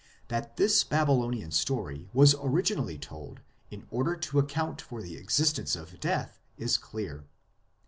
That this Babylonian story was originally told in order to account for the existence of death is clear.